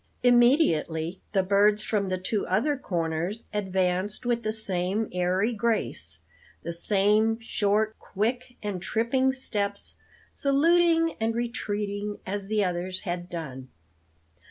Immediately the birds from the two other corners advanced with the same airy grace, the same short, quick, and tripping steps, saluting and retreating as the others had done.